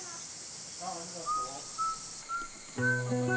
あっありがとう。